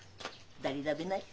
誰だべない？